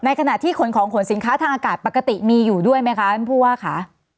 ขณะที่ขนของขนสินค้าทางอากาศปกติมีอยู่ด้วยไหมคะท่านผู้ว่าค่ะ